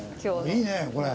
いいねこれ。